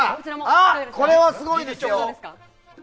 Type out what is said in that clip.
これはすごいですよ！